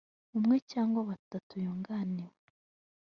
umwe cyangwa batatu yunganiwe